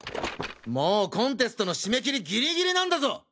もうコンテストの締め切りギリギリなんだぞ！